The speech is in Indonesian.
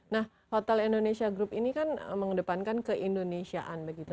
nah hotel indonesia group ini kan mengedepankan keindonesiaan begitu